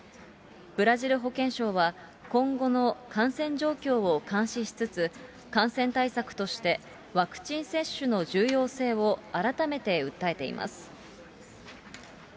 ブラジル保健省は今後の感染状況を監視しつつ、感染対策として、ワクチン接種の重要性を改めて訴えています。